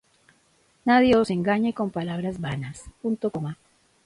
Nadie os engañe con palabras vanas;